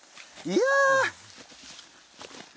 いや！